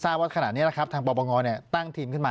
ปากกับภาคภูมิ